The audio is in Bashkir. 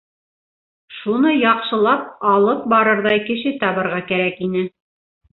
Шуны яҡшылап алып барырҙай кеше табырға кәрәк ине.